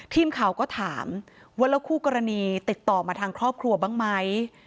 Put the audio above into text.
ทีมข่าวก็ถามว่าแล้วคู่กรณีติดต่อมาทางครอบครัวบ้างไหม